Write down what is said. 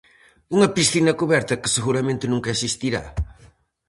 Unha piscina cuberta que seguramente nunca existirá.